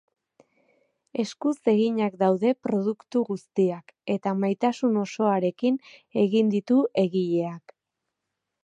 Eskuz eginak daude produktu guztiak, eta maitasun osoarekin egin ditu egileak.